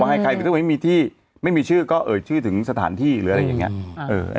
ว่าให้ใครถ้าไม่มีที่ไม่มีชื่อก็เอ่ยชื่อถึงสถานที่หรืออะไรอย่างเงี้ยอืม